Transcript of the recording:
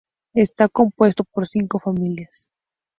Está compuesto por cinco familias.